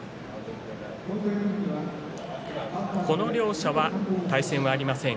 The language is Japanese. この両者は対戦がありません。